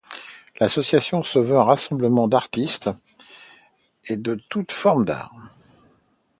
L'Association se veut un rassemblement d'artistes et de toute forme d'art.